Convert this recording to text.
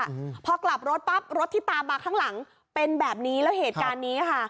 อืมพอกลับรถปั๊บรถที่ตามมาข้างหลังเป็นแบบนี้แล้วเหตุการณ์นี้ค่ะ